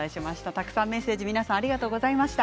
たくさんメッセージありがとうございました。